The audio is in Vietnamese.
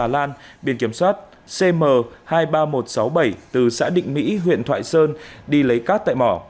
lan biên kiểm soát cm hai mươi ba nghìn một trăm sáu mươi bảy từ xã định mỹ huyện thoại sơn đi lấy cát tại mỏ